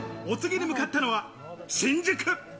お次に向かったのは新宿。